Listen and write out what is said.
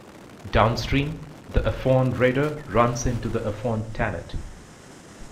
Downstream, the Afon Rhaeadr runs into the Afon Tanat.